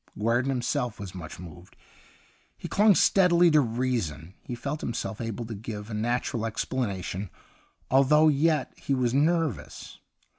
Guerdon himself was much moved. He clung steadily to reason ; he felt himself able to give a natui'al ex planation all through, and yet he was nervous.